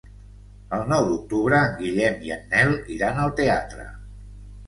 El nou d'octubre en Guillem i en Nel iran al teatre.